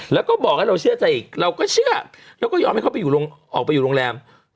แล้วก็บอกให้เราเชื่อใจอีกเราก็เชื่อแล้วก็ยอมให้เขาออกไปอยู่โรงแรม